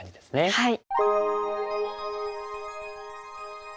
はい。